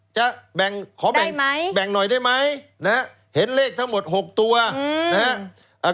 จะแบ่งขอแบ่งไหมแบ่งหน่อยได้ไหมนะฮะเห็นเลขทั้งหมดหกตัวอืมนะฮะ